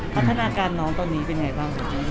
พัฒนาการน้องตอนนี้เป็นไงบ้าง